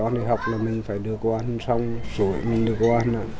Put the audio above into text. đi học là mình phải đưa cô ăn xong rồi mình đưa cô ăn